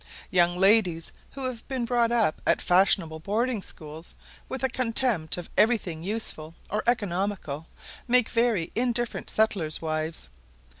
Young ladies who have been brought up at fashionable boarding schools, with a contempt of every thing useful or economical, make very indifferent settlers' wives.